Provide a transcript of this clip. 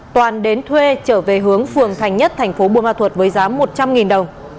toàn đến thuê trở về hướng phường thành nhất thành phố buôn ma thuột với giá một trăm linh đồng